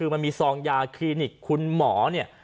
มันมีซองยาคลินิกคุณหมอเนี่ย